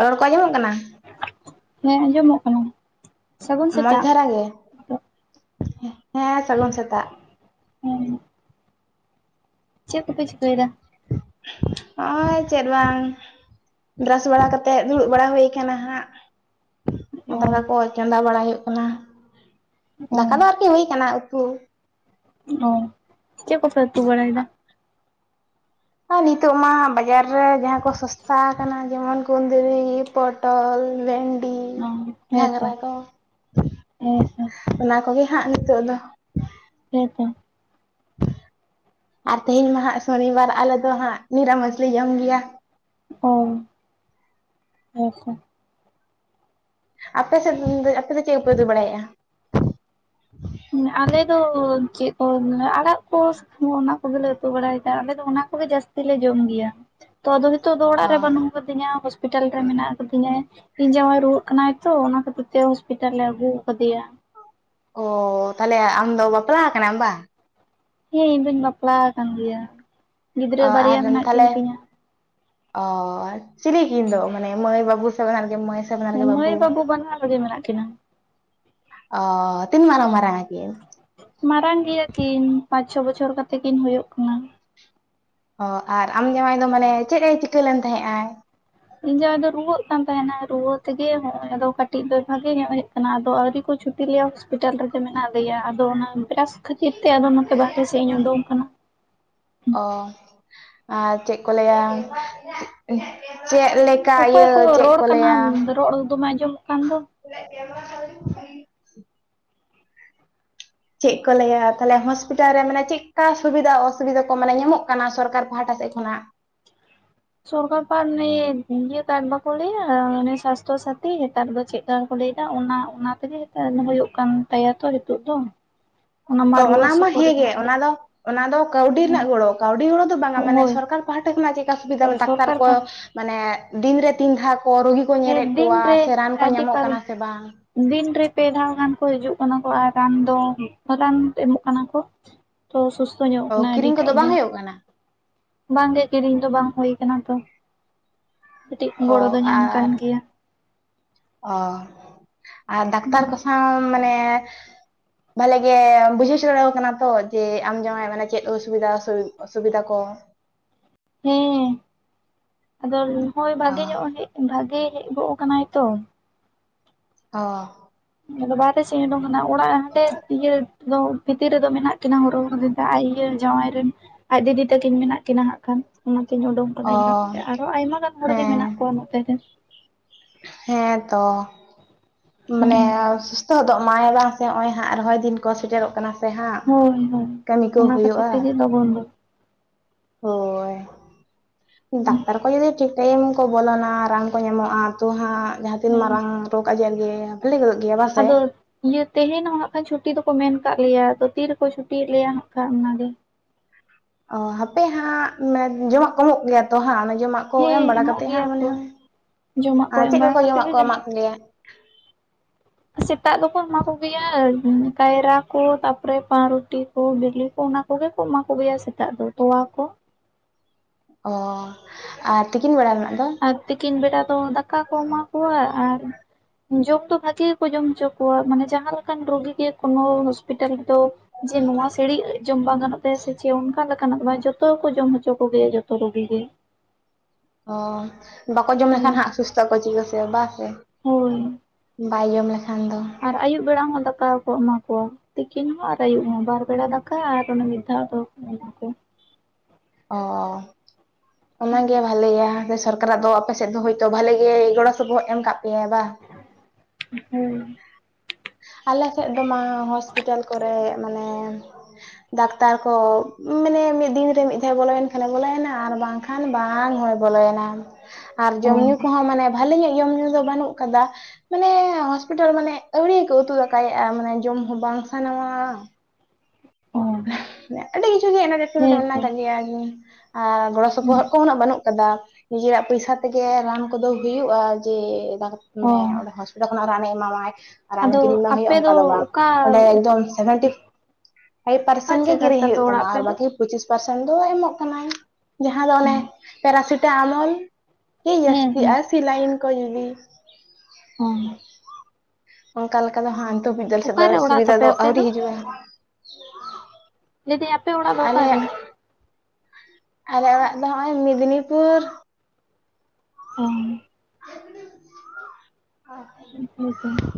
ᱨᱚᱲ ᱠᱚ ᱟᱸᱡᱚᱢᱚᱜ ᱠᱟᱱᱟ ᱦᱮᱸ ᱟᱸᱡᱚᱢᱚᱜ ᱠᱟᱱᱟ ᱥᱟᱹᱜᱩᱱ ᱢᱚᱡᱽ ᱥᱮᱛᱟᱜ ᱫᱷᱟᱨᱟ ᱜᱮ, ᱦᱮᱸ ᱥᱟᱹᱜᱩᱱ ᱥᱮᱛᱟᱜ᱾ ᱦᱮᱸ᱾ ᱪᱮᱫ ᱠᱚᱯᱮ ᱪᱤᱠᱟᱹᱭᱮᱫᱟ᱾ ᱦᱚᱸᱜ-ᱚᱭ ᱪᱮᱫ ᱵᱟᱝ᱾ ᱵᱨᱟᱥ ᱵᱟᱲᱟ ᱠᱟᱛᱮᱜ ᱫᱩᱲᱩᱵ ᱵᱟᱲᱟ ᱦᱩᱭ ᱟᱠᱟᱱᱟ ᱦᱟᱸᱜ᱾ ᱚ ᱫᱟᱠᱟ ᱠᱚ ᱪᱚᱸᱫᱟ ᱵᱟᱲᱟ ᱦᱩᱭᱩᱜ ᱠᱟᱱᱟ᱾ ᱚ ᱫᱟᱠᱟ ᱫᱚ ᱟᱨᱠᱤ ᱦᱩᱭ ᱟᱠᱟᱱᱟ, ᱩᱛᱩ ᱚ ᱪᱮᱫ ᱠᱚᱯᱮ ᱩᱛᱩ ᱵᱟᱲᱟᱭᱫᱟ? ᱟᱨ ᱱᱤᱛᱚᱜ ᱢᱟ ᱵᱟᱡᱟᱨ ᱨᱮ ᱡᱟᱦᱟᱸ ᱠᱚ ᱥᱚᱥᱛᱟ ᱟᱠᱟᱱᱟ, ᱡᱮᱢᱚᱱ ᱠᱩᱸᱫᱩᱨᱤ ᱯᱚᱴᱚᱞ ᱵᱷᱮᱱᱰᱤ ᱚ ᱦᱮᱸᱛᱚ ᱜᱷᱟᱝᱨᱟ ᱠᱚ ᱦᱮᱸᱛᱚ ᱚᱱᱟ ᱠᱚᱜᱮ ᱦᱟᱸᱜ ᱱᱤᱛᱚᱜ ᱫᱚ ᱦᱮᱸ ᱛᱚ᱾ ᱟᱨ ᱛᱮᱦᱮᱧ ᱢᱟ ᱦᱟᱸᱜ ᱥᱚᱱᱤ ᱵᱟᱨ ᱟᱞᱮ ᱫᱚ ᱦᱟᱸᱜ, ᱱᱤᱨᱟᱢᱤᱥ ᱞᱮ ᱡᱚᱢ ᱜᱮᱭᱟ᱾ ᱚ ᱟᱪᱪᱷᱟ᱾ ᱟᱯᱮ ᱥᱮᱫ ᱟᱯᱮ ᱫᱚ ᱪᱮᱫ ᱠᱚᱯᱮ ᱩᱛᱩ ᱵᱟᱲᱟᱭᱫ-ᱟ? ᱟᱞᱮ ᱫᱚ ᱪᱮᱫ ᱠᱚ ᱟᱲᱟᱜ ᱠᱚ᱾ ᱚᱱᱟ ᱠᱚᱜᱮᱞᱮ ᱩᱛᱩ ᱵᱟᱲᱟᱭᱮᱫᱟ, ᱟᱞᱮ ᱫᱚ ᱚᱱᱟ ᱠᱚᱜᱮ ᱡᱟᱹᱥᱛᱤ ᱞᱮ ᱡᱚᱢ ᱜᱮᱭᱟ᱾ ᱛᱚ ᱟᱫᱚ ᱱᱤᱛᱚᱜ ᱫᱚ ᱚᱲᱟᱜ ᱚ ᱨᱮ ᱵᱟᱹᱱᱩᱜ ᱟᱠᱟᱫᱤᱧᱟ ᱦᱚᱥᱯᱤᱴᱟᱞ ᱨᱮ ᱢᱮᱱᱟᱜ ᱟᱠᱟᱫᱤᱧᱟ᱾ ᱤᱧ ᱡᱟᱶᱟᱭ ᱨᱩᱣᱟᱹᱜ ᱠᱟᱱᱟᱭ ᱛᱚ ᱚᱱᱟ ᱠᱷᱟᱹᱛᱤᱨ ᱛᱮ ᱦᱚᱥᱯᱤᱴᱟᱞ ᱮ ᱟᱹᱜᱩ ᱠᱟᱫᱮᱭᱟ᱾ ᱚ ᱛᱟᱦᱚᱞᱮ ᱟᱢ ᱫᱚ ᱵᱟᱯᱞᱟ ᱟᱠᱟᱱᱟᱢ ᱵᱟᱝ? ᱦᱮᱸ ᱤᱧ ᱫᱩᱧ ᱵᱟᱯᱞᱟ ᱟᱠᱟᱱ ᱜᱮᱭᱟ, ᱚ ᱜᱤᱫᱽᱨᱟᱹ ᱵᱟᱨᱭᱟ ᱟᱨ ᱢᱮᱱᱟᱜ ᱠᱤᱱ ᱛᱟᱦᱚᱞᱮ ᱛᱤᱧᱟᱹ᱾ ᱚ ᱪᱤᱞᱤ ᱠᱤᱱ ᱫᱚ ᱢᱟᱱᱮ ᱢᱟᱹᱭ ᱵᱟᱹᱵᱩ ᱥᱮ ᱵᱟᱱᱟᱨ ᱜᱮ ᱢᱟᱹᱭ? ᱥᱮ ᱵᱟᱱᱟᱨ ᱜᱮ ᱮᱸ ᱢᱟᱹᱭ ᱵᱟᱹᱵᱩ ᱵᱟᱱᱟᱨ ᱨᱮᱜᱮ ᱢᱮᱱᱟᱜ ᱠᱤᱱᱟᱹ᱾ ᱚ ᱛᱤᱱ ᱢᱟᱱ ᱢᱟᱨᱟᱝ, ᱢᱟᱨᱟᱝ ᱟᱠᱤᱱ? ᱢᱟᱨᱟᱝ ᱜᱮᱭᱟ ᱠᱤᱱ ᱯᱟᱸᱪ ᱪᱷᱚ ᱵᱚᱪᱷᱚᱨ ᱠᱟᱛᱮ ᱠᱤᱱ ᱦᱩᱭᱩᱜ ᱠᱟᱱᱟ᱾ ᱚ ᱟᱨ ᱟᱢ ᱡᱟᱶᱟᱭ ᱫᱚ ᱢᱟᱱᱮ ᱪᱮᱫ ᱮ ᱪᱤᱠᱟᱹ ᱞᱮᱱ ᱛᱟᱦᱮᱸᱜ ᱟᱭ? ᱤᱧ ᱡᱟᱦᱟᱸᱭ ᱫᱚ ᱨᱩᱣᱟᱹᱜ ᱠᱟᱱ ᱛᱟᱦᱮᱱᱟᱭ ᱨᱩᱣᱟᱹ ᱛᱮᱜᱮ ᱱᱚᱜ ᱚᱭ ᱫᱚ ᱠᱟᱹᱴᱤᱡ ᱫᱚ ᱵᱷᱟᱜᱤ ᱧᱚᱜ ᱦᱮᱡ ᱟᱠᱟᱱᱟ, ᱟᱫᱚ ᱟᱣᱨᱤ ᱠᱚ ᱪᱷᱩᱴᱤ ᱞᱤᱭᱟ, ᱦᱚᱥᱯᱤᱴᱟᱞ ᱨᱮᱫᱚ ᱢᱮᱱᱟᱜ ᱞᱮᱭᱟ, ᱟᱫᱚ ᱚᱱᱟ ᱵᱨᱟᱥ ᱠᱷᱟᱹᱛᱤᱨ ᱛᱮ ᱟᱫᱚ ᱱᱚᱛᱮ ᱵᱟᱨᱦᱮ ᱥᱮᱫ ᱤᱧ ᱩᱰᱩᱝᱠ ᱟᱠᱟᱱᱟ᱾ ᱚ ᱟᱨ ᱪᱮᱫ ᱠᱚ ᱞᱟᱹᱭᱟ ᱪᱮᱫ ᱞᱮᱭᱟ, ᱪᱮᱫ ᱞᱟᱹ ᱚᱠᱚᱭ ᱠᱚ ᱨᱚᱲ ᱠᱟᱱᱟ? ᱨᱚᱲ ᱫᱚᱢᱮ ᱟᱸᱡᱚᱢᱚᱜ ᱠᱟᱱ ᱫᱚ᱾ [inaudible] ᱪᱮᱫ ᱠᱚ ᱞᱟᱹᱭᱟ ᱛᱟᱦᱚᱞᱮ ᱦᱚᱥᱯᱤᱴᱟᱞ ᱨᱮ ᱢᱟᱱᱮ ᱪᱮᱫᱠᱟ ᱥᱩᱵᱤᱫᱟ ᱚᱥᱩᱵᱤᱫᱟ ᱠᱚ ᱢᱟᱱᱮ ᱧᱟᱢᱚᱜ ᱠᱟᱱᱟ? ᱥᱚᱨᱠᱟᱨ ᱯᱟᱦᱴᱟ ᱥᱮᱫ ᱠᱷᱚᱱᱟᱜ᱾ ᱥᱚᱨᱠᱟᱨ ᱯᱟ ᱱᱮ ᱤᱭᱟᱹ ᱠᱟᱨᱰ ᱵᱟᱠᱚ ᱞᱮᱭᱟ, ᱚᱱᱮ ᱥᱟᱥᱛᱷᱚ ᱥᱟᱛᱷᱤ ᱱᱮᱛᱟᱨ ᱫᱚ ᱪᱮᱫ ᱟᱨ ᱠᱚ ᱞᱟᱹᱭᱫᱟ ᱚᱱᱟ ᱚᱱᱟ ᱛᱮᱜᱮ ᱦᱩᱭᱩᱜ ᱠᱟᱱ ᱛᱟᱭᱟ ᱛᱚ ᱱᱤᱛᱚᱜ ᱫᱚ᱾ ᱚ ᱨᱩᱣᱟᱹ ᱚᱱᱟ ᱦᱟᱹᱥᱩ ᱢᱟ ᱠᱚᱨᱮ ᱦᱮᱸᱜᱮ, ᱢᱮᱱᱟᱜ ᱞᱮ ᱚᱱᱟ ᱫᱚ ᱚᱱᱟ ᱫᱚ ᱠᱟᱹᱣᱰᱤ ᱦᱮᱸ ᱨᱮᱱᱟᱜ ᱜᱚᱲᱚ, ᱠᱟᱹᱣᱰᱤ ᱜᱚᱲᱚ ᱫᱚ ᱵᱟᱝᱟ ᱢᱟᱱᱮ ᱦᱳᱭ ᱥᱚᱨᱠᱟᱨ ᱯᱟᱦᱟᱟ ᱠᱷᱚᱱᱟᱜ ᱪᱮᱫᱮᱠᱟ ᱥᱩᱵᱤᱫᱷᱟ ᱢᱮ ᱰᱟᱠᱛᱟᱨ ᱥᱚᱨᱠᱟᱨ ᱠᱚ ᱯᱟᱦᱴᱟ ᱢᱟᱱᱮ ᱫᱤᱱ ᱨᱮ ᱛᱤᱱ ᱫᱷᱟᱣ ᱠᱚ ᱨᱩᱜᱤ ᱠᱚ ᱧᱮᱞᱮᱫ ᱦᱮᱸ ᱠᱚᱣᱟ, ᱥᱮ ᱨᱟᱱ ᱦᱮᱸ ᱠᱚ ᱟᱹᱰᱤ ᱧᱟᱢᱚᱜ ᱵᱟᱨ ᱠᱟᱱᱟ ᱥᱮ ᱵᱟᱝ᱾ ᱫᱤᱱᱨᱮ ᱯᱮ ᱫᱷᱟᱣ ᱜᱟᱱ ᱠᱚ ᱦᱤᱡᱩᱜ ᱠᱟᱱᱟ ᱠᱚ, ᱟᱨ ᱨᱟᱱ ᱫᱚ ᱨᱟᱱ ᱮᱢᱚᱜ ᱠᱟᱱᱟ ᱠᱚ᱾ ᱛᱚ ᱥᱩᱥᱛᱷᱚ ᱧᱚᱜᱚᱜ ᱚ ᱠᱟᱱᱟ ᱠᱤᱨᱤᱧ ᱠᱚᱫᱚ ᱟᱹᱰᱤᱴᱟᱜ ᱵᱟᱝ ᱜᱮ᱾ ᱦᱩᱭᱩᱜ ᱠᱟᱱᱟ ᱵᱟᱝᱜᱮ ᱠᱤᱨᱤᱧ ᱫᱚ ᱵᱟᱝ ᱦᱩᱭ ᱠᱟᱱᱟ ᱛᱚ ᱠᱟᱹᱴᱤᱡ ᱚ ᱜᱚᱲᱚ ᱫᱚ ᱧᱟᱢ ᱠᱟᱱ ᱟᱨ ᱜᱮᱭᱟ ᱚ ᱟᱨ ᱰᱟᱠᱛᱟᱨ ᱠᱚ ᱥᱟᱶ ᱢᱟᱱᱮ ᱵᱷᱟᱞᱮ ᱜᱮ ᱵᱩᱡᱷᱟᱹᱣ ᱥᱮᱲᱟ ᱠᱟᱱᱟ ᱛᱚ ᱡᱮ ᱟᱢ ᱡᱟᱶᱟᱭ ᱢᱟᱱᱮ ᱪᱮᱫ ᱚᱥᱩᱵᱤᱫᱟ ᱚᱥᱩᱵᱤᱫᱷᱟ ᱠᱚ ᱦᱮᱸ ᱟᱫᱚ ᱦᱳᱭ ᱚ ᱵᱷᱟᱜᱮ ᱧᱚᱜ ᱦᱮᱡ ᱵᱷᱟᱜᱮ ᱦᱮᱡ ᱜᱚᱜ ᱠᱟᱱᱟᱭ ᱛᱚ ᱚ ᱵᱟᱦᱨᱮ ᱥᱮᱜᱤᱧ ᱳᱰᱳᱠᱱᱟ ᱚᱲᱟᱜ ᱦᱟᱸᱰᱮ ᱤᱭᱟᱹ ᱫᱚ᱾ ᱵᱷᱤᱛᱤᱨ ᱨᱮᱫᱚ ᱢᱮᱱᱟᱜ ᱠᱤᱱᱟ ᱦᱚᱨᱦᱚ ᱫᱟ ᱟᱡ ᱡᱟᱶᱟᱭ ᱨᱮᱱ ᱟᱡ ᱫᱤᱫᱤ ᱛᱟᱹᱠᱤᱱ ᱢᱮᱱᱟᱜ ᱠᱤᱱᱟ ᱦᱟᱸᱜ ᱠᱷᱟᱱ ᱚᱱᱟᱛᱮᱧ ᱩᱰᱩᱝ ᱟᱠᱟᱱᱟ ᱚ ᱤᱧᱹᱚᱛ ᱟᱨᱚ ᱟᱭᱢᱟ ᱜᱟᱱ ᱦᱚᱲᱜᱮ ᱦᱮᱸ ᱢᱮᱱᱟᱜ ᱠᱚᱣᱟ ᱱᱚᱛᱮ ᱨᱮ᱾ ᱦᱮᱸ ᱛᱚ ᱢᱟᱱᱮ ᱦᱩᱸ ᱛᱚ ᱫᱚᱜ ᱢᱟᱭ ᱵᱟᱝ ᱥᱮ ᱱᱚᱜᱼᱚᱭ ᱦᱟᱸᱜ ᱨᱚᱦᱚᱭ ᱫᱤᱱ ᱠᱚ ᱥᱮᱴᱮᱨᱚᱜ ᱠᱟᱱᱟ᱾ ᱛᱚ ᱦᱟᱸᱜ ᱦᱳᱭ ᱦᱳᱭ ᱠᱟᱹᱢᱤ ᱠᱚ ᱚᱱᱟ ᱦᱩᱭᱩᱜᱼᱟ᱾ [unintelligible] ᱦᱳᱭ ᱰᱟᱠᱛᱟᱨ ᱠᱚ ᱡᱩᱫᱤ ᱴᱷᱤᱠ ᱴᱟᱭᱤᱢ ᱨᱮᱠᱚ ᱵᱚᱞᱚᱱᱟ ᱨᱟᱱ ᱠᱚ ᱮᱢᱚᱜᱼᱟ᱾ ᱛᱚ ᱦᱟᱸᱜ ᱡᱟᱦᱟᱸ ᱛᱤᱱ ᱦᱮᱸ ᱢᱟᱨᱟᱝ ᱨᱳᱜᱽ ᱟᱡᱟᱨ ᱜᱮ ᱵᱷᱟᱹᱞᱤ ᱜᱚᱫᱚᱜ ᱜᱮᱭᱟ ᱵᱟᱥᱮ ᱟᱫᱚ ᱤᱭᱟᱹ ᱛᱮᱦᱮᱧ ᱦᱚᱸ ᱱᱟᱸᱜ ᱠᱷᱟᱱ ᱪᱷᱩᱴᱤ ᱫᱚᱠᱚ ᱢᱮᱱ ᱠᱟᱫ ᱞᱮᱭᱟ ᱟᱫᱚ ᱛᱤᱨᱮᱠᱚ ᱪᱷᱩᱴᱤᱭᱮᱫ ᱞᱮᱭᱟ ᱦᱟᱸᱜ ᱠᱷᱟᱱ ᱚᱱᱟᱜᱮ ᱚ ᱦᱟᱯᱚᱭ ᱦᱟᱸᱜ ᱡᱚᱢᱟᱜ ᱮᱢᱚᱜ ᱜᱮᱭᱟ ᱛᱚ ᱦᱟᱸᱜ ᱚᱱᱟ ᱡᱚᱢᱟᱜ ᱮᱢ ᱦᱮᱸ ᱵᱟᱲᱟ ᱮᱢᱚᱜ ᱠᱟᱛᱮᱫ ᱦᱟᱸᱜ ᱜᱮᱭᱟ ᱢᱚᱱᱮ ᱠᱚ ᱦᱭ ᱡᱚᱢᱟᱜ ᱠᱚ ᱟᱨ ᱮᱢ ᱪᱮᱫ ᱵᱟᱲᱟ ᱠᱚᱠᱚ ᱠᱟᱛᱮ ᱡᱚᱢᱟᱜ ᱜᱮ ᱠᱚ ᱡᱟᱹᱱᱤᱡ ᱮᱢᱟᱜ ᱠᱚ ᱯᱮᱭᱟ ᱥᱮᱛᱟᱜ ᱫᱚᱠᱚ ᱮᱢᱟ ᱠᱚ ᱜᱮᱭᱟ ᱠᱟᱭᱨᱟ ᱠᱚ ᱛᱟᱯᱚᱨᱮ ᱯᱟᱣᱨᱩᱴᱤ ᱵᱤᱞᱤ ᱠᱚ ᱚᱱᱟ ᱠᱚᱜᱮ ᱠᱚ ᱮᱢᱟ ᱠᱚᱜᱮᱭᱟ ᱥᱮᱛᱟᱜ ᱫᱚ ᱛᱚᱣᱟ ᱠᱚ ᱚ ᱟᱨ ᱛᱤᱠᱤᱱ ᱵᱮᱲᱟ ᱨᱮᱱᱟᱜ ᱫᱚ ᱟᱨ ᱛᱤᱠᱤᱱ ᱵᱮᱲᱟ ᱫᱚ ᱫᱟᱠᱟ ᱠᱚ ᱮᱢᱟ ᱠᱚᱣᱟ ᱟᱨ ᱡᱚᱢ ᱫᱚ ᱵᱷᱟᱜᱤ ᱜᱮᱠᱚ ᱡᱚᱢ ᱦᱚᱪᱚ ᱠᱚᱣᱟ ᱢᱟᱱᱮ ᱡᱟᱦᱟᱸ ᱞᱮᱠᱟᱱ ᱨᱩᱜᱤ ᱜᱮ ᱠᱳᱚᱱᱚ ᱦᱚᱥᱯᱤᱴᱟᱞ ᱨᱮᱫᱚ ᱡᱮ ᱱᱚᱣᱟ ᱥᱟᱹᱲᱤᱡ ᱡᱚᱢ ᱵᱟᱝ ᱜᱟᱱᱚᱜ ᱛᱟᱭᱟ ᱥᱮ ᱪᱮᱫ ᱚᱱᱠᱟ ᱚᱱᱠᱟᱱᱼᱟᱜ ᱫᱚ ᱵᱟᱝ ᱡᱚᱛᱚ ᱜᱮᱠᱚ ᱡᱚᱢ ᱦᱚᱪᱚ ᱠᱚᱜᱮᱭᱟ ᱡᱚᱛᱚ ᱨᱩᱜᱤ ᱜᱮ ᱚ ᱵᱟᱠᱚ ᱡᱚᱢ ᱦᱩᱸ ᱞᱮᱠᱷᱟᱱ ᱦᱟᱸᱜ ᱥᱩᱥᱛᱷᱟᱹ ᱟᱠᱚ ᱪᱤᱠᱟᱹ ᱛᱮ ᱵᱟᱝ ᱥᱮ ᱦᱳᱭ ᱵᱟᱭ ᱡᱚᱢ ᱞᱮᱠᱷᱟᱱ ᱫᱚ ᱟᱨ ᱟᱭᱩᱵ ᱵᱮᱲᱟ ᱦᱚᱸ ᱫᱟᱠᱟ ᱜᱮᱠᱚ ᱮᱢᱟ ᱠᱚᱣᱟ ᱛᱤᱠᱤᱱ ᱦᱚᱸ ᱟᱨ ᱟᱹᱭᱩᱵ ᱦᱚᱸ ᱵᱟᱨ ᱵᱮᱲᱟ ᱫᱟᱠᱟ ᱟᱨ ᱚᱱᱮ ᱢᱤᱫ ᱫᱷᱟᱣ ᱫᱚ ᱚ ᱚᱱᱟᱜᱮ ᱵᱷᱟᱞᱮᱭᱟ ᱥᱚᱨᱠᱟᱨ ᱛᱟᱞᱦᱮ ᱫᱚ ᱟᱯᱮ ᱥᱮᱫ ᱫᱚ ᱦᱳᱭᱛᱳ ᱵᱟᱞᱮ ᱜᱮ ᱜᱚᱲᱚ ᱥᱯᱚᱦᱚᱫ ᱮᱢ ᱠᱟᱜ ᱯᱮᱭᱟᱭ ᱵᱟ ᱦᱩᱸ ᱟᱞᱮ ᱥᱮᱫ ᱫᱚ ᱢᱟ ᱦᱚᱥᱯᱤᱴᱟᱞ ᱠᱚᱨᱮᱜ ᱢᱟᱱᱮ ᱫᱟᱠᱛᱟᱨ ᱠᱚ ᱢᱟᱱᱮ ᱢᱤᱫ ᱫᱤᱱ ᱨᱮ ᱢᱤᱫ ᱫᱷᱟᱣ ᱵᱚᱞᱚᱭᱮᱱ ᱠᱷᱟᱱᱮ ᱵᱚᱞᱚᱭ ᱮᱱᱟ ᱟᱨ ᱵᱟᱝᱠᱷ ᱠᱷᱟᱱ ᱵᱟᱝ ᱦᱚᱸᱭ ᱵᱚᱞᱚᱮᱱᱟ [inaudible] ᱟᱨ ᱡᱚᱢ ᱧᱩ ᱠᱚᱦᱚᱸ ᱢᱟᱱᱮ ᱵᱷᱟᱞᱤ ᱧᱚᱜ ᱡᱚᱢ ᱧᱩ ᱫᱚ ᱵᱟᱹᱱᱩᱜ ᱠᱟᱫᱟ ᱢᱟᱱᱮ ᱦᱚᱥᱯᱤᱴᱟᱞ ᱢᱟᱱᱮ ᱟᱹᱣᱲᱤ ᱩᱛᱩ ᱫᱟᱠᱟᱭᱮᱫᱼᱟ ᱢᱟᱱᱮ ᱡᱚᱢ ᱦᱚᱸ ᱵᱟᱝ ᱥᱟᱱᱟᱣᱟ ᱚ ᱟᱹᱰᱤ ᱠᱤᱪᱷᱩ ᱜᱮ ᱦᱮᱸᱛᱚ ᱢᱮᱱᱟᱜ ᱠᱟᱜ ᱜᱮᱭᱟ ᱟᱨ ᱜᱚᱲᱚ ᱥᱚᱯᱚᱦᱚᱫ ᱠᱚ ᱩᱱᱟᱹᱜ ᱵᱟᱱᱩᱜ ᱱᱤᱡᱮᱨᱟᱜ ᱯᱚᱭᱥᱟ ᱛᱮᱜᱮ ᱨᱟᱱ ᱠᱚᱫᱚ ᱦᱩᱭᱩᱜᱼᱟ ᱡᱮ ᱚ ᱢᱟᱱᱮ ᱚᱸᱰᱮ ᱦᱟᱸᱥᱯᱛᱟᱞ ᱡᱚᱛᱚ ᱠᱷᱚᱱᱟᱜ ᱨᱟᱱᱮ ᱮᱢᱟᱢᱟᱭ ᱨᱟᱱ ᱟᱫᱚ ᱠᱤᱨᱤᱧ ᱵᱟᱝ ᱦᱩᱭᱩᱜᱼᱟ ᱟᱯᱮ ᱚᱱᱠᱟ ᱫᱚ ᱵᱟᱝ ᱚᱠᱟ ᱚᱸᱰᱮ ᱮᱠᱫᱚᱢ ᱚᱠᱟ ᱥᱮᱵᱷᱮᱱᱴᱤ ᱯᱷᱟᱭᱤᱵ ᱯᱟᱨᱥᱮᱱ ᱜᱮ ᱡᱟᱭᱜᱟ ᱨᱮ ᱠᱤᱨᱤᱧ ᱦᱩᱭᱩᱜ ᱛᱟᱯᱮ ᱛᱟᱢᱟ ᱚᱲᱟᱜ ᱟᱯᱮ ᱟᱨ ᱫᱚ? ᱵᱟᱠᱤ ᱯᱚᱸᱪᱤᱥ ᱯᱟᱨᱥᱮᱱ ᱫᱚᱭ ᱮᱢᱚᱜ ᱠᱟᱱᱟᱭ ᱡᱟᱦᱟᱸ ᱫᱚ ᱚᱱᱮ ᱯᱮᱨᱥᱤᱴᱟ ᱟᱢᱚᱞ ᱠᱤ ᱦᱮᱸ ᱡᱟᱹᱥᱛᱤᱜᱼᱟ ᱦᱮᱸ ᱥᱤᱞᱟᱭᱤᱱ ᱠᱚ ᱡᱩᱫᱤ [unintelligible] ᱚᱝᱠᱟ ᱞᱮᱠᱟ ᱫᱚ ᱦᱟᱸᱜ ᱱᱤᱛᱚᱜ ᱦᱟᱹᱵᱤᱡ ᱫᱚ ᱚᱠᱟᱨᱮ ᱚᱲᱟᱜ ᱥᱩᱵᱤᱫᱟ ᱛᱟᱯᱮ ᱫᱚ ᱟᱯᱮ ᱟᱹᱣᱨᱤ ᱦᱤᱡᱩᱜᱼᱟ᱾ ᱞᱟᱹᱭ ᱫᱤᱧ ᱟᱯᱮ ᱚᱲᱟᱜ ᱫᱚ ᱚᱠᱟ ᱨᱮ? ᱟᱞᱮᱭᱟᱜ ᱟᱞᱮ ᱚᱲᱟᱜ ᱫᱚ ᱱᱚᱜᱼᱚᱭ ᱢᱮᱫᱽᱱᱤᱯᱩᱨ᱾ ᱚ [inaudible] [unintelligible]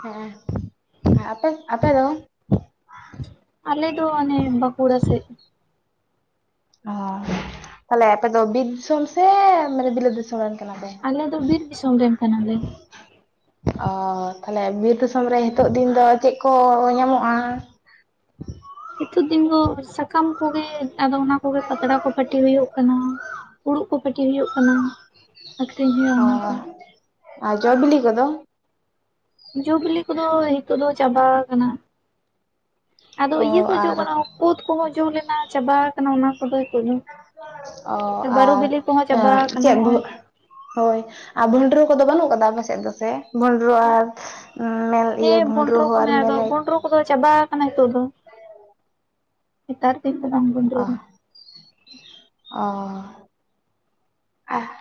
ᱦᱮᱸᱜᱼᱮ ᱟᱯᱮ ᱟᱯᱮ ᱫᱚ? ᱟᱞᱮ ᱫᱚ ᱚᱱᱮ ᱵᱟᱠᱩᱲᱟ ᱥᱮᱜ᱾ ᱚ ᱛᱟᱦᱚᱞᱮ ᱟᱯᱮ ᱫᱚ ᱵᱤᱨ ᱫᱤᱥᱚᱢ ᱥᱮ ᱢᱟᱱᱮ ᱵᱤᱞᱟᱹᱛ ᱫᱤᱥᱚᱢ ᱨᱮᱱ ᱠᱟᱱᱟ ᱯᱮ? ᱟᱞᱮ ᱫᱚ ᱵᱤᱨ ᱫᱤᱥᱚᱢ ᱨᱮᱱ ᱠᱟᱱᱟᱞᱮ᱾ ᱚ ᱛᱟᱦᱚᱞᱮ ᱵᱤᱨ ᱫᱤᱥᱚᱢ ᱨᱮ ᱱᱤᱛᱚᱜ ᱫᱤᱱ ᱫᱚ ᱪᱮᱫ ᱠᱚ ᱧᱟᱢᱚᱜᱼᱟ? ᱦᱤᱛᱚᱜ ᱫᱤᱱ ᱫᱚ, ᱥᱟᱠᱟᱢ ᱠᱚᱜᱮ ᱟᱫᱚ ᱚᱱᱟ ᱠᱚᱜᱮ ᱯᱟᱛᱲᱟ ᱠᱚ ᱯᱟᱹᱴᱤ ᱦᱳᱭᱳᱜ ᱠᱟᱱᱟ᱾ ᱯᱩᱲᱩᱜ ᱠᱚ ᱯᱟᱹᱴᱤ ᱦᱳᱭᱳᱜ ᱠᱟᱱᱟ᱾ ᱟᱠᱷᱨᱤᱧ ᱦᱳᱭᱳᱜ ᱚ ᱟ ᱡᱚ ᱵᱤᱞᱤ ᱠᱚᱫᱚ? ᱡᱚ-ᱵᱤᱞᱤ ᱠᱚᱫᱚ ᱦᱤᱛᱚᱜ ᱫᱚ ᱪᱟᱵᱟ ᱠᱟᱱᱟ, ᱟᱫᱚ ᱚ ᱤᱭᱟᱹ ᱠᱚ ᱡᱚ ᱟᱨ ᱵᱟᱲᱟᱣ ᱠᱩᱫ ᱠᱚᱦᱚᱸ ᱡᱚᱢ ᱞᱮᱱᱟ ᱪᱟᱵᱟ ᱠᱟᱱᱟ ᱚᱱᱟ ᱠᱚᱫᱚ ᱦᱤᱛᱚᱜ ᱫᱚ᱾ ᱚ ᱵᱟᱹᱨᱩ ᱟᱨ ᱵᱤᱞᱤ ᱠᱚᱦᱚᱸ ᱪᱟᱵᱟ ᱮᱸ ᱟᱠᱟᱱᱟ ᱪᱮᱫ [unintelligible] ᱦᱚᱸᱜᱼᱚᱭ ᱦᱳᱭ ᱟᱨ ᱵᱩᱞᱴᱨᱩ ᱠᱚᱫᱚ ᱵᱟᱹᱱᱩᱜ ᱠᱟᱫᱟ ᱟᱯᱮ ᱥᱮᱫ ᱫᱚ ᱥᱮ᱾ ᱵᱷᱳᱱᱰᱨᱳ ᱟᱨ ᱩᱸ ᱢᱮᱞ ᱤᱭᱟᱹ ᱦᱮᱸ ᱵᱷᱳᱰᱨᱳ ᱵᱷᱚᱸᱰᱨᱚ ᱦᱚᱸ ᱠᱚ ᱟᱨ ᱢᱮᱱᱟᱜ ᱫᱚ ᱢᱮᱞᱮᱡ᱾ ᱵᱷᱚᱸᱰᱨᱚ ᱠᱚᱫᱚ ᱪᱟᱵᱟ ᱠᱟᱱᱟ ᱦᱤᱛᱚᱜ ᱫᱚ ᱦᱮᱛᱟᱨ ᱫᱤᱱ ᱵᱟᱝ ᱚ [unintelligible] ᱚ ᱟᱦ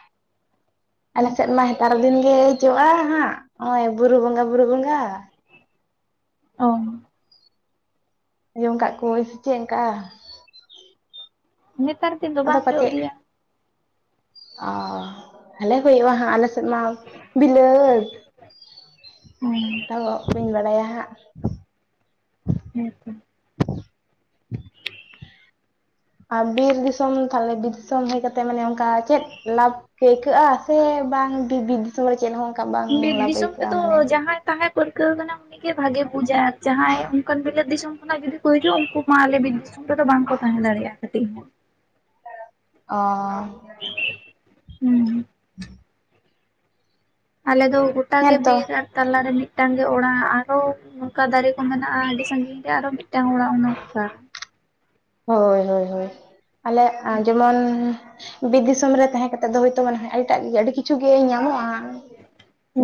ᱟᱞᱮ ᱥᱮᱜ ᱢᱟ ᱦᱮᱛᱟᱨ ᱫᱤᱱ ᱜᱮ ᱡᱚᱜᱼᱟ ᱦᱟᱸᱜ ᱦᱚᱜᱼᱚᱭ ᱵᱩᱨᱩ ᱵᱚᱸᱜᱟ ᱵᱩᱨᱩ ᱵᱚᱸᱜᱟ᱾ ᱚ ᱟᱡᱚᱢ ᱠᱟᱜ ᱠᱚᱣᱟᱹᱧ ᱥᱮ ᱪᱮᱜ ᱚᱝᱠᱟ᱾ ᱱᱮᱛᱟᱨ ᱫᱤᱱ ᱫᱚ ᱟᱫᱚ ᱵᱟᱝ ᱡᱚᱜ ᱯᱟᱪᱮᱫ ᱜᱮᱭᱟ᱾ ᱚ ᱟᱞᱮ ᱥᱮᱡ ᱦᱳᱭᱳᱜᱼᱟ ᱦᱟᱸᱜ ᱟᱞᱮ ᱥᱮᱫ ᱢᱟ ᱵᱤᱞᱟᱹᱛ ᱚ ᱛᱟᱣᱼᱚ ᱵᱟᱹᱧ ᱵᱟᱲᱟᱭᱟ ᱦᱟᱸᱜ᱾ ᱦᱮᱸ ᱛᱚ᱾ ᱟᱨ ᱵᱤᱨ ᱫᱤᱥᱚᱢ ᱛᱟᱦᱚᱞᱮ ᱵᱤᱨ ᱫᱤᱥᱚᱢ ᱦᱮᱡ ᱠᱟᱛᱮ ᱢᱟᱱᱮ ᱚᱝᱠᱟ ᱪᱮᱫ ᱞᱟᱵᱷ? ᱠᱟᱹᱭᱠᱟᱹᱜᱼᱟ ᱥᱮ ᱵᱟᱝ ᱵᱤᱨ ᱫᱤᱥᱚᱢ ᱨᱮ ᱪᱮᱫ ᱦᱚᱸ ᱚᱱᱠᱟ ᱵᱟᱝ ᱞᱟᱵᱷ ᱟᱹᱭᱠᱟᱹᱜᱼᱟ ᱢᱟᱱᱮ [unintelligible] ᱛᱟᱦᱮᱛ ᱯᱟᱹᱨᱠᱟᱹᱣ ᱠᱟᱱᱟᱢ ᱩᱱᱤᱜᱮ ᱵᱷᱟᱜᱮ ᱵᱩᱡᱟᱭ ᱟᱨ ᱡᱟᱦᱟᱸᱭ ᱚᱱᱠᱟᱱ ᱵᱤᱞᱟᱹ ᱫᱤᱥᱚᱢ ᱠᱷᱚᱱᱟᱜ ᱡᱩᱫᱤ ᱠᱚ ᱦᱤᱡᱩᱜᱼᱟ ᱩᱝᱠᱩ ᱢᱟ ᱟᱞᱮ ᱵᱤᱨ ᱚᱱᱛᱮ ᱫᱚ ᱵᱟᱝᱠᱚ ᱛᱟᱦᱮᱸ ᱫᱟᱲᱮᱭᱟᱜᱼᱟ ᱠᱟᱹᱴᱤᱡ ᱦᱚᱸ᱾ ᱚ [unintelligible] ᱦᱩᱸ ᱦᱩᱸ ᱦᱩᱸ ᱟᱞᱮ ᱫᱚ ᱜᱚᱴᱟ ᱜᱮ ᱦᱮᱸᱛᱚ ᱵᱤᱨ ᱟᱨ ᱛᱟᱞᱟ ᱨᱮ ᱢᱤᱫᱴᱟᱝ ᱜᱮ ᱚᱲᱟᱜ ᱟᱨᱚ ᱚᱝᱠᱟ ᱫᱟᱨᱮ ᱠᱚ ᱢᱮᱱᱟᱜᱼᱟ ᱟᱹᱰᱤ ᱥᱟᱺᱜᱤᱧ ᱨᱮ ᱟᱨᱚ ᱢᱤᱫᱴᱟᱝ ᱦᱚᱲᱟᱜ ᱚᱱᱮ ᱚᱝᱠᱟ᱾ ᱦᱳᱭ ᱦᱳᱭ ᱦᱳᱭ ᱟᱞᱮᱜ ᱡᱮᱢᱚᱱ ᱵᱤᱨ ᱫᱤᱥᱚᱢ ᱨᱮ ᱛᱟᱦᱮᱸ ᱠᱟᱛᱮᱫ ᱫᱚ ᱦᱳᱭ ᱛᱚ ᱢᱚᱱᱮᱦᱚᱭ ᱟᱹᱰᱤᱴᱟᱜ ᱜᱮ ᱟᱹᱰᱤ ᱠᱤᱪᱷᱩ ᱜᱮ ᱧᱟᱢᱚᱜᱼᱟ᱾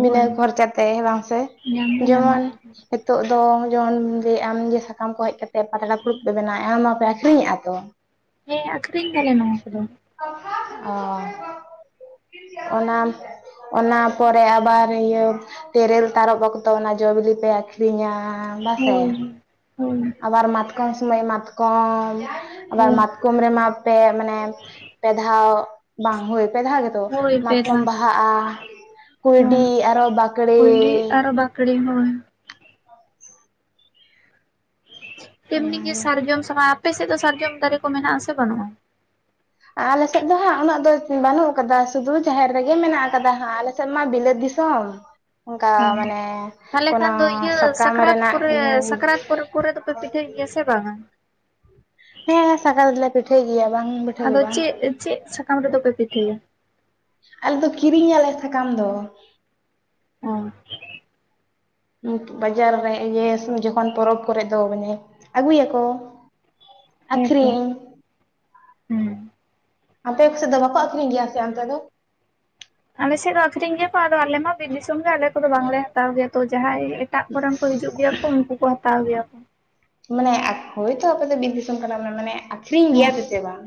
ᱵᱤᱱᱟᱹ ᱠᱷᱚᱨᱪᱟ ᱛᱮ ᱵᱟᱝ ᱥᱮ, ᱧᱟᱢ ᱫᱚ ᱡᱮᱢᱚᱱ ᱧᱟᱢᱚᱜᱼᱟ ᱦᱤᱛᱳᱜ ᱫᱚ ᱡᱮᱢᱚᱱ ᱞᱟᱹᱭᱮᱜ ᱟᱢ ᱡᱮ ᱥᱟᱠᱟᱢ ᱠᱚ ᱦᱮᱡ ᱠᱟᱛᱮ ᱯᱟᱛᱲᱟ ᱯᱷᱩᱲᱩᱵ ᱯᱮ ᱵᱮᱱᱟᱣ-ᱟ᱾ ᱟᱹᱠᱷᱨᱤᱧᱮᱜᱼᱟ ᱛᱚ᱾ ᱦᱮᱸ ᱟᱹᱠᱷᱨᱤᱧ ᱫᱟᱞᱮ ᱱᱚᱣᱟ ᱠᱚ ᱫᱚ᱾ ᱚ ᱚᱱᱟᱯ ᱚᱱᱟ ᱯᱚᱨᱮ ᱟᱵᱟᱨ ᱤᱭᱟᱹ ᱛᱮᱨᱮᱞ ᱛᱟᱨᱚᱵ ᱚᱠᱛᱚ ᱚᱱᱟ ᱡᱚ-ᱵᱤᱞᱤ ᱯᱮ ᱟᱹᱠᱷᱨᱤᱧᱟ᱾ ᱦᱳᱭ ᱦᱳᱭ ᱟᱵᱟᱨ ᱢᱟᱛᱠᱚᱢ ᱥᱚᱢᱚᱭ ᱢᱟᱛᱠᱚᱢ ᱟᱵᱟᱨ ᱦᱮᱸ ᱢᱟᱛᱠᱚᱢ ᱨᱮᱢᱟ ᱯᱮ ᱢᱟᱱᱮ ᱯᱮ ᱫᱷᱟᱣ ᱵᱟᱝ ᱦᱳᱭ ᱯᱮ ᱫᱷᱟᱣ ᱜᱮᱛᱚ ᱦᱳᱭ ᱯᱮ ᱢᱟᱛᱠᱚᱢ ᱫᱷᱟᱣ ᱵᱟᱦᱟᱜ-ᱟ᱾ ᱠᱩᱭᱰᱤ ᱦᱮᱸ ᱟᱨᱚ ᱵᱟᱸᱠᱲᱮ, ᱠᱩᱲᱤᱢ ᱦᱳᱭ ᱮᱢᱱᱤ ᱜᱮ ᱚᱱᱟᱜᱮ ᱥᱟᱨᱡᱚᱢ ᱥᱟᱠᱟᱢ ᱟᱯᱮ ᱥᱮᱫ ᱫᱚ ᱥᱟᱨᱡᱚᱢ ᱫᱟᱨᱮ ᱠᱚ ᱢᱮᱱᱟᱜ ᱟᱥᱮ ᱵᱟᱱᱩᱜᱼᱟ? ᱟᱞᱮ ᱥᱮᱫ ᱫᱚ ᱦᱟᱸᱜ ᱩᱱᱟᱹᱜ ᱫᱚ ᱵᱟᱱᱩᱜ ᱟᱠᱟᱫᱟ ᱥᱩᱫᱷᱩ ᱡᱟᱦᱮᱨ ᱨᱮᱜᱮ ᱢᱮᱱᱟᱜ ᱟᱠᱟᱫᱟ ᱦᱟᱸᱜ ᱟᱞᱮ ᱥᱮᱫ ᱢᱟ ᱵᱤᱞᱟᱹᱛ ᱫᱤᱥᱚᱢ᱾ [inaudible] ᱚᱱᱠᱟ ᱢᱟᱱᱮ ᱛᱟᱦᱚᱞᱮ ᱠᱷᱟᱱ ᱫᱚ ᱠᱳᱱᱳ ᱤᱭᱟᱹ ᱥᱟᱠᱟᱢ ᱥᱟᱠᱨᱟᱛ ᱨᱮᱱᱟᱜ ᱠᱚᱨᱮ ᱦᱮᱸ ᱥᱟᱠᱨᱟᱛ ᱯᱚᱨᱮ ᱠᱚᱨᱮ ᱫᱚᱯᱮ ᱯᱤᱴᱷᱟᱹᱭ ᱦᱮ ᱥᱮ ᱵᱟᱝ-ᱟ? ᱦᱮᱸ ᱥᱟᱠᱨᱟᱛ ᱨᱮᱫᱚ ᱞᱮ ᱯᱤᱴᱷᱟᱹᱭ ᱜᱮᱭᱟ ᱵᱟᱝ ᱯᱤᱴᱷᱟᱹ ᱫᱚ ᱟᱫᱚ ᱵᱟᱝ ᱪᱮᱫ ᱪᱮᱫ ᱥᱟᱠᱟᱢ ᱨᱮᱫᱚ ᱯᱮ ᱯᱤᱴᱷᱟᱹᱭᱟ? ᱟᱞᱮ ᱫᱚ ᱠᱤᱨᱤᱧ ᱟᱞᱮ ᱥᱟᱠᱟᱢ ᱫᱚ᱾ ᱚᱸ ᱵᱟᱡᱟᱨ ᱨᱮ ᱡᱚᱠᱷᱚᱱ ᱯᱚᱨᱚᱵᱽ ᱠᱚ ᱨᱮ ᱫᱚ ᱢᱟᱱᱮ ᱟᱹᱜᱩᱭᱟ ᱠᱚ᱾ [inaudible] ᱟᱠᱷᱨᱤᱧ ᱦᱩᱸ ᱟᱯᱮ ᱥᱮᱫ ᱫᱚ ᱵᱟᱠᱚ ᱟᱠᱷᱨᱤᱧ ᱜᱮᱭᱟ ᱥᱮ ᱚᱱᱛᱮ ᱫᱚ? ᱟᱞᱮ ᱥᱮᱫ ᱫᱚ ᱟᱠᱷᱨᱤᱧ ᱜᱮ ᱛᱚ ᱟᱞᱮ ᱢᱟ ᱵᱤᱨ ᱫᱤᱥᱚᱢ ᱨᱮ ᱟᱞᱮ ᱠᱚᱫᱚ ᱵᱟᱝ ᱞᱮ ᱦᱟᱛᱟᱣ ᱜᱮᱭᱟ ᱛᱚ ᱡᱟᱦᱟᱭ ᱮᱴᱟᱜ ᱠᱚᱨᱮᱱ ᱠᱚ ᱦᱤᱡᱩᱜ ᱜᱮᱭᱟ ᱠᱚ ᱩᱱᱠᱩ ᱠᱚ ᱦᱟᱛᱟᱣ ᱜᱮᱭᱟ ᱠᱚ᱾ ᱢᱟᱱᱮ ᱦᱳᱭᱛᱚ ᱟᱯᱮ ᱫᱚ ᱵᱤᱨ ᱫᱤᱥᱚᱢ ᱠᱟᱱᱟ ᱯᱮ ᱢᱟᱱᱮ ᱟᱠᱷᱨᱤᱧ ᱦᱚᱸ ᱜᱮᱭᱟ ᱯᱮᱥᱮ ᱵᱟᱝ?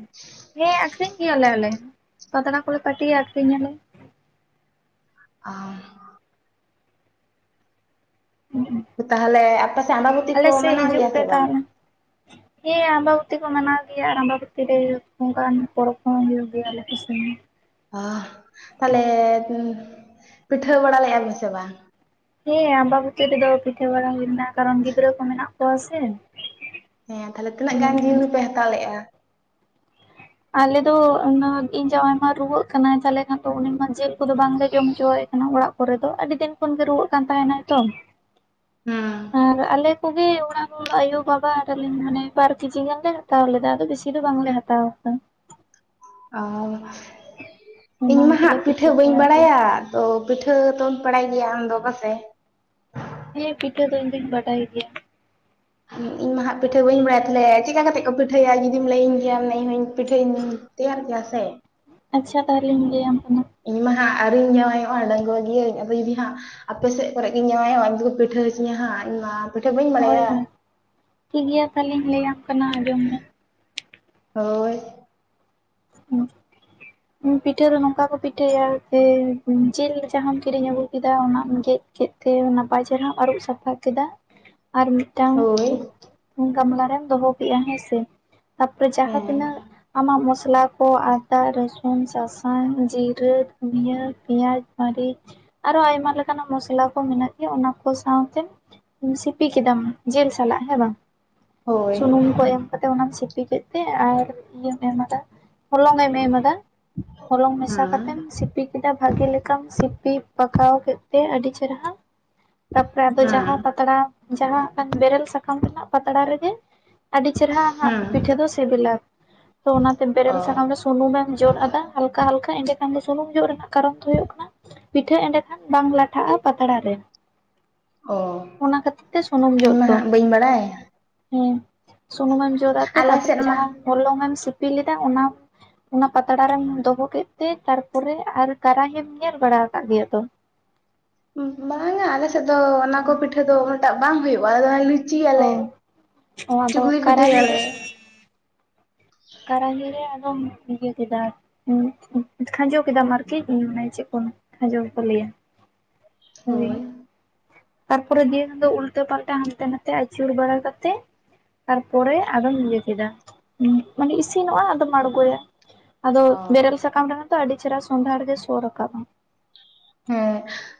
ᱦᱮᱸ ᱟᱠᱷᱨᱤᱧ ᱜᱮᱭᱟ ᱞᱮ ᱟᱞᱮ ᱦᱚᱸ ᱯᱟᱛᱲᱟ ᱠᱚᱞᱮ ᱯᱟᱴᱤᱭᱟ ᱟᱠᱷᱨᱤᱧ ᱟᱞᱮ᱾ ᱚᱻ ᱛᱟᱦᱚᱞᱮ ᱟᱯᱮ ᱥᱮᱫ ᱟᱢᱵᱟᱵᱚᱛᱤ ᱟᱞᱮ ᱠᱚ ᱥᱮᱫ ᱢᱟᱱᱟᱣ ᱦᱤᱡᱩᱜ ᱜᱮᱭᱟ ᱯᱮ ᱥᱮ ᱵᱟᱝ? ᱛᱟᱦᱚᱞᱮ ᱦᱮᱸ ᱟᱢᱵᱟᱵᱚᱛᱤ ᱠᱚ ᱢᱟᱱᱟᱣ ᱜᱮᱭᱟ ᱟᱨ ᱟᱢᱵᱟᱵᱚᱛᱤ ᱨᱮ ᱚᱱᱠᱟᱱ ᱯᱚᱨᱚᱵ ᱠᱚ ᱦᱚᱸ ᱦᱩᱭᱩᱜ ᱜᱮᱭᱟ ᱟᱞᱮ ᱠᱚ ᱥᱮᱱ᱾ ᱚᱦᱻ ᱛᱟᱦᱚᱞᱮ ᱯᱤᱴᱷᱟᱹ ᱵᱟᱲᱟ ᱞᱮᱫ ᱟᱵᱤᱱ ᱥᱮ ᱵᱟᱝ? ᱦᱮᱸ ᱟᱢᱵᱟᱵᱚᱛᱤ ᱨᱮᱫᱚ ᱯᱤᱴᱷᱟᱹ ᱵᱟᱲᱟ ᱦᱩᱭ ᱞᱮᱱᱟ, ᱠᱟᱨᱚᱱ ᱜᱤᱫᱽᱨᱟᱹ ᱠᱚ ᱢᱮᱱᱟᱜ ᱠᱚᱣᱟ ᱥᱮ᱾ ᱦᱮᱸ ᱛᱟᱦᱞᱮ ᱛᱤᱱᱟᱹᱜ ᱜᱟᱱ ᱡᱤᱞ ᱯᱮ ᱦᱟᱛᱟᱣ ᱞᱮᱫᱼᱟ? ᱟᱞᱮ ᱫᱚ ᱤᱧ ᱡᱟᱢᱟᱭ ᱢᱟ ᱨᱩᱣᱟᱹᱜ ᱠᱟᱱᱟᱭ ᱛᱟᱦᱚᱞᱮ ᱠᱷᱟᱱ ᱫᱚ ᱩᱱᱤ ᱢᱟ ᱡᱮᱞ ᱠᱚᱫᱚ ᱵᱟᱝᱞᱮ ᱡᱚᱢ ᱦᱚᱪᱚᱣᱟᱭ ᱠᱟᱱᱟ, ᱚᱲᱟᱜ ᱠᱚᱨᱮ ᱫᱚ ᱟᱹᱰᱤ ᱫᱤᱱ ᱠᱷᱚᱱ ᱜᱮ ᱨᱩᱣᱟᱹᱜ ᱠᱟᱱ ᱛᱟᱦᱮᱱᱟᱭ ᱛᱚ᱾ ᱦᱩᱸ ᱟᱨ ᱟᱞᱮ ᱠᱚᱜᱮ ᱚᱲᱟᱜ ᱦᱚᱲ ᱟᱭᱩ ᱵᱟᱵᱟ ᱟᱨ ᱟᱞᱤᱧ ᱢᱟᱱᱮ ᱵᱟᱨ ᱠᱮᱡᱤ ᱜᱟᱱ ᱞᱮ ᱦᱟᱛᱟᱣ ᱞᱮᱫᱟ ᱟᱫᱚ ᱵᱮᱥᱤ ᱫᱚ ᱵᱟᱝ ᱞᱮ ᱦᱟᱛᱟᱣ ᱟᱠᱟᱫᱟ᱾ ᱟᱨ ᱤᱧ ᱚᱱᱟ ᱢᱟ ᱜᱮᱞᱮ ᱦᱟᱸᱜ ᱯᱤᱴᱷᱟᱹ ᱵᱟᱹᱧ ᱵᱟᱲᱟ ᱠᱮᱫᱟ ᱵᱟᱲᱟᱭᱟ, ᱫᱚ ᱯᱤᱴᱷᱟᱹ ᱛᱚᱢ ᱵᱟᱲᱟᱭ ᱜᱮᱭᱟ ᱟᱢᱫᱚ ᱵᱟᱝ ᱯᱟᱥᱮ? ᱦᱮᱸ ᱯᱤᱴᱷᱟᱹ ᱫᱚ ᱤᱧ ᱫᱚᱧ ᱵᱟᱰᱟᱭ ᱜᱮᱭᱟ᱾ ᱤᱧ ᱢᱟ ᱦᱟᱸᱜ ᱯᱤᱴᱷᱟᱹ ᱵᱟᱹᱧ ᱵᱟᱲᱟᱭᱟ ᱛᱟᱦᱚᱞᱮ ᱪᱮᱫ ᱠᱟ ᱠᱟᱛᱮ ᱠᱚ ᱯᱤᱴᱷᱟᱹᱭᱟ ᱡᱩᱫᱤᱢ ᱞᱟᱹᱭᱟᱹᱧ ᱠᱮᱭᱟᱢ ᱤᱧ ᱦᱚᱸ ᱯᱤᱴᱷᱟᱹᱧ ᱛᱮᱭᱟᱨ ᱠᱮᱭᱟ ᱥᱮ᱾ ᱟᱪᱪᱷᱟ ᱛᱟᱦᱚᱞᱮᱧ ᱞᱟᱹᱭ ᱟᱢ ᱠᱟᱱᱟ᱾ ᱤᱧ ᱢᱟ ᱦᱟᱸᱜ ᱟᱣᱨᱤᱧ ᱡᱟᱶᱟᱭᱚᱜᱼᱟ ᱰᱟᱜᱩᱣᱟᱹ ᱜᱤᱭᱟᱹᱧ ᱟᱫᱚ ᱡᱩᱫᱤ ᱦᱟᱸᱜ ᱟᱯᱮ ᱥᱮᱫ ᱠᱚᱨᱮᱜ ᱜᱮᱧ ᱡᱟᱶᱟᱭ ᱚᱜ ᱩᱱᱫᱚ ᱯᱤᱴᱷᱟᱹ ᱦᱚᱪᱤᱧᱟ ᱦᱟᱸᱜ, ᱤᱧ ᱢᱟ ᱯᱤᱴᱷᱟᱹ ᱵᱟᱹᱧ ᱦᱳᱭ ᱵᱟᱲᱟᱭᱟ ᱦᱳᱭ ᱴᱷᱤᱠ ᱜᱮᱭᱟ ᱛᱟᱦᱚᱞᱮᱧ ᱞᱟᱹᱭ ᱟᱢ ᱠᱟᱱᱟ ᱟᱸᱡᱚᱢ ᱢᱮ, ᱦᱳᱭ ᱦᱩᱸ ᱯᱤᱴᱷᱟᱹ ᱫᱚ ᱱᱚᱝᱠᱟ ᱠᱚ ᱯᱤᱴᱷᱟᱹᱭᱟ ᱡᱮ ᱡᱤᱞ ᱡᱟᱦᱟᱸᱢ ᱠᱤᱨᱤᱧ ᱟᱹᱜᱩ ᱠᱮᱫᱟ ᱚᱱᱟᱢ ᱜᱮᱫ ᱠᱮᱫ ᱛᱮ ᱱᱟᱯᱟᱭ ᱪᱮᱦᱨᱟ ᱟᱹᱨᱩᱵ ᱥᱟᱯᱷᱟ ᱠᱮᱫᱟ ᱟᱨ ᱢᱤᱫᱴᱟᱝ ᱦᱳᱭ ᱜᱟᱢᱞᱟ ᱨᱮᱢ ᱫᱚᱦᱚ ᱠᱮᱜᱼᱟ ᱦᱮᱸ ᱥᱮ ᱛᱟ ᱯᱚᱨᱮ ᱡᱟᱦᱟ ᱦᱮᱸ ᱛᱤᱱᱟᱹᱜ ᱟᱢᱟᱜ ᱢᱚᱥᱞᱟ ᱠᱚ ᱟᱫᱟ ᱨᱟᱹᱥᱩᱱ ᱥᱟᱥᱟᱝ ᱡᱤᱨᱟᱹ, ᱫᱷᱩᱱᱭᱟᱹ, ᱯᱮᱸᱭᱟᱡᱽ, ᱢᱟᱹᱨᱤᱪ, ᱟᱨᱚ ᱟᱭᱢᱟ ᱞᱮᱠᱟᱱᱟᱜ ᱢᱚᱥᱞᱟ ᱠᱚ ᱢᱮᱱᱟᱜ ᱜᱮᱭᱟ ᱚᱱᱟ ᱠᱚ ᱥᱟᱶᱛᱮ ᱥᱤᱯᱤ ᱠᱮᱫᱟᱢ ᱡᱤᱞ ᱥᱟᱞᱟᱜ ᱦᱮᱸ ᱵᱟᱝ ᱦᱳᱭ ᱥᱩᱱᱩᱢ ᱠᱚ ᱮᱢ ᱠᱟᱛᱮ ᱚᱱᱟᱢ ᱥᱤᱯᱤ ᱠᱮᱫ ᱛᱮ ᱟᱨ ᱤᱭᱟᱹᱢ ᱮᱢ ᱟᱫᱟ ᱦᱚᱞᱚᱝᱮᱢ ᱮᱢ ᱟᱫᱟ ᱦᱚᱞᱚᱝ ᱢᱮᱥᱟ ᱦᱮᱸ ᱠᱟᱛᱮᱢ ᱥᱤᱯᱤ ᱥᱤᱯᱤ ᱠᱮᱫᱟ ᱵᱷᱟᱜᱤ ᱞᱮᱠᱟᱢ ᱥᱤᱯᱤ ᱯᱟᱠᱟᱣ ᱠᱮᱫ ᱛᱮ ᱟᱹᱰᱤ ᱪᱮᱨᱦᱟ ᱛᱟᱨᱯᱚᱨᱮ ᱟᱨ ᱫᱚ ᱡᱟᱦᱟᱸ ᱦᱮᱸ ᱯᱟᱛᱲᱟ ᱡᱟᱦᱟᱸ ᱵᱮᱨᱮᱞ ᱥᱟᱠᱟᱢ ᱨᱮᱱᱟᱜ ᱯᱟᱛᱲᱟ ᱨᱮᱜᱮ ᱟᱹᱰᱤ ᱪᱮᱨᱦᱟ ᱦᱮᱸ ᱦᱟᱜ ᱯᱤᱴᱷᱟᱹ ᱫᱚ ᱥᱤᱵᱤᱞᱟ ᱛᱚ ᱚᱱᱟᱛᱮ ᱚ ᱵᱮᱨᱮᱞ ᱥᱩᱱᱩᱢ ᱮᱢ ᱡᱚᱫ ᱟᱫᱟ ᱦᱟᱞᱠᱟ ᱦᱟᱞᱠᱟ ᱮᱸᱰᱮᱠᱷᱟᱱ ᱫᱚ ᱥᱩᱱᱩᱢ ᱡᱚᱜ ᱨᱮᱱᱟᱜ ᱠᱟᱨᱚᱱ ᱫᱚ ᱦᱩᱭᱩᱜ ᱠᱟᱱᱟ, ᱯᱤᱴᱷᱟᱹ ᱮᱸᱰᱮᱠᱷᱟᱱ ᱵᱟᱝ ᱞᱟᱴᱷᱟᱜᱼᱟ ᱯᱟᱛᱲᱟ ᱨᱮ ᱾ ᱚᱻ ᱚᱱᱟ ᱠᱷᱟᱹᱛᱤᱨ ᱛᱮ ᱥᱩᱱᱩᱢ ᱡᱚᱫ ᱫᱚ ᱾ ᱦᱩᱸ ᱥᱩᱱᱩᱢ ᱮᱢ ᱡᱷᱚᱛᱟᱜ ᱛᱮ ᱟᱞᱮ ᱥᱮᱫ ᱛᱟᱯᱚᱨᱮ ᱢᱟ ᱡᱟᱦᱟᱸ ᱦᱚᱞᱚᱝ ᱮᱢ ᱥᱤᱯᱤ ᱞᱮᱫᱟ ᱚᱱᱟᱢ ᱚᱱᱟ ᱯᱟᱛᱲᱟ ᱨᱮᱢ ᱫᱚᱦᱚ ᱠᱮᱫ ᱛᱮ ᱛᱟᱨᱯᱚᱨᱮ ᱟᱨ ᱠᱟᱨᱟᱦᱤᱢ ᱧᱮᱞ ᱵᱟᱲᱟ ᱟᱠᱟᱫ ᱜᱮᱭᱟ ᱛᱚ ᱵᱟᱝᱟ ᱟᱞᱮ ᱥᱮᱫ ᱫᱚ ᱚᱱᱟ ᱠᱚ ᱯᱤᱴᱷᱟᱹ ᱫᱚ ᱩᱱᱟᱹᱜ ᱴᱟᱜ ᱵᱟᱝ ᱦᱩᱭᱩᱜᱼᱟ, ᱟᱫᱚ [unintelligible] ᱚ ᱞᱩᱪᱤᱭᱟᱞᱮ ᱚ ᱟᱫᱚ ᱪᱩᱜᱞᱤ ᱠᱟᱨᱟᱦᱤ ᱯᱤᱴᱷᱟᱹᱭᱟᱞᱮ ᱨᱮ ᱠᱟᱨᱟᱦᱤ ᱨᱮ ᱟᱫᱚᱢ ᱤᱭᱟᱹ ᱠᱮᱫᱟ [unintelligible] ᱠᱷᱟᱸᱡᱚ ᱠᱮᱫᱟᱢ ᱟᱨᱠᱤ ᱢᱟᱱᱮ ᱪᱮᱫ ᱠᱚᱢ ᱠᱷᱟᱸᱡᱚ ᱜᱮ ᱠᱚ ᱞᱟᱹᱭᱟ ᱦᱳᱭ ᱛᱟᱨᱯᱚᱨᱮ ᱫᱤᱭᱟ ᱛᱮ ᱫᱚ ᱩᱞᱴᱟᱹ ᱯᱟᱞᱴᱟ ᱦᱟᱱᱛᱮ ᱱᱟᱛᱮ ᱟᱹᱪᱩᱨ ᱵᱟᱲᱟ ᱠᱟᱛᱮ, ᱛᱟᱨᱯᱚᱨᱮ ᱟᱨᱚᱢ ᱤᱭᱟᱹ ᱠᱮᱫᱟ ᱾ ᱢᱟᱱᱮ ᱤᱥᱤᱱᱚᱜᱼᱟ ᱟᱫᱚᱢ ᱟᱬᱜᱚᱭᱟ, ᱟᱫᱚ ᱚ ᱵᱮᱨᱮᱞ ᱥᱟᱠᱟᱢ ᱨᱮᱱᱟᱜ ᱛᱚ ᱟᱹᱰᱤ ᱪᱮᱦᱨᱟ ᱥᱚᱸᱫᱷᱟᱲ ᱜᱮ ᱥᱳ ᱨᱟᱠᱟᱵ ᱟ ᱾ ᱦᱮᱸ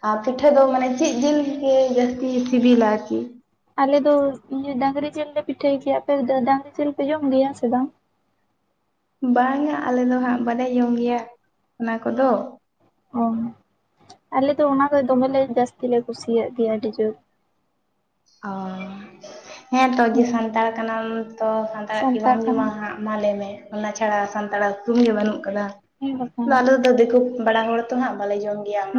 ᱟᱨ ᱯᱤᱴᱷᱟᱹ ᱫᱚ ᱢᱟᱱᱮ ᱪᱮᱫ ᱡᱤᱞ ᱜᱮ ᱡᱟᱹᱥᱛᱤ ᱥᱤᱵᱤᱞᱟ ᱟᱨᱠᱤ ᱾ ᱟᱞᱮ ᱫᱚ ᱤᱭᱟᱹ ᱰᱟᱹᱝᱨᱤ ᱡᱤᱞ ᱞᱮ ᱯᱤᱴᱷᱟᱹᱭ ᱜᱮᱭᱟ, ᱟᱯᱮ ᱰᱟᱹᱝᱨᱤ ᱡᱤᱞ ᱯᱮ ᱡᱚᱢ ᱜᱮᱭᱟ ᱥᱮ ᱵᱟᱝ? ᱵᱟᱝᱟ ᱟᱞᱮ ᱫᱚ ᱦᱟᱸᱜ ᱵᱟᱞᱮᱭ ᱡᱚᱢ ᱜᱮᱭᱟ ᱚᱱᱟ ᱠᱚᱫᱚ ᱾ ᱚᱦᱚ ᱟᱞᱮ ᱫᱚ ᱚᱱᱟ ᱫᱚ ᱫᱚᱢᱮ ᱡᱟᱹᱥᱛᱤ ᱞᱮ ᱠᱩᱥᱤᱭᱟᱜ ᱜᱮᱭᱟ, ᱟᱹᱰᱤ ᱡᱳᱨ ᱚᱻ, ᱦᱮᱸᱛᱚ ᱡᱮ, ᱦᱮᱸ ᱥᱟᱱᱛᱟᱲ ᱠᱟᱱᱟᱢ ᱛᱚ ᱥᱟᱱᱛᱟᱲᱟᱜ ᱠᱤ ᱥᱟᱱᱛᱟᱲ ᱵᱟᱢ ᱠᱟᱱᱟ ᱡᱚᱢᱟ ᱦᱟᱸᱜ ᱾ ᱢᱟ ᱞᱟᱹᱭᱢᱮ ᱚᱱᱟ ᱪᱷᱟᱲᱟ ᱥᱟᱱᱛᱟᱲᱟᱜ ᱩᱩᱯᱨᱩᱢ ᱜᱮ ᱵᱟᱹᱱᱩᱜ ᱟᱠᱟᱫᱟ ᱦᱮᱸ ᱵᱟᱠᱷᱟᱱ ᱾ ᱟᱞᱮ ᱱᱚᱰᱮ ᱫᱤᱠᱩ ᱵᱟᱲᱟ ᱦᱚᱲ ᱛᱚ ᱦᱟᱸᱜ ᱵᱟᱞᱮ ᱡᱚᱢ ᱜᱮᱭᱟ ᱚᱱᱟ!